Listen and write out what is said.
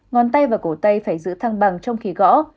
ngón tay và cổ tay phải giữ thăng bằng trong khí gõ